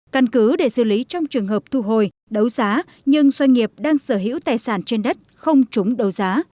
căn cứ để xử lý trong trường hợp thu hồi đấu giá nhưng doanh nghiệp đang sở hữu tài sản trên đất không trúng đấu giá